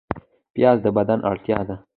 پیاز د بدن اړتیا ده